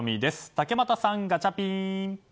竹俣さん、ガチャピン。